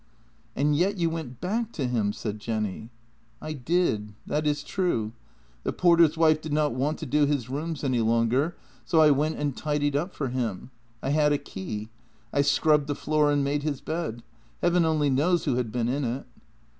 " And yet you went back to him? " said Jenny. " I did, that is true. The porter's wife did not want to do his rooms any longer, so I went and tidied up for him. I had a key. I scrubbed the floor and made his bed — Heaven only knows who had been in it."